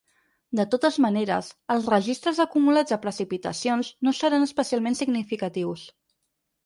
De totes maneres, els registres acumulats de precipitacions no seran especialment significatius.